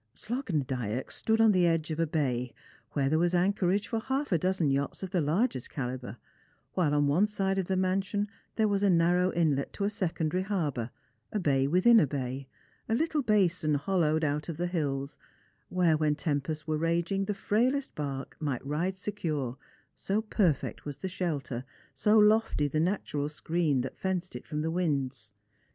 Slogh na Dyack stood on the edge of a bay, where there was anchorage for lialfa dozen yachts of the largest calibre; while on one side of the mansion there was a narrow inlet to a secondary harbour, a bay within a bay, a little basin hollowed out of the hills, where, when tempests were raging, the frailest bark might ride Bccure, so perfect was the shelter, so lofty the natural screen that fenced it from the witids.